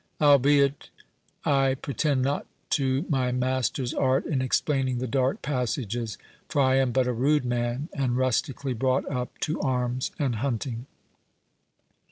Albeit, I pretend not to my master's art in explaining the dark passages; for I am but a rude man, and rustically brought up to arms and hunting."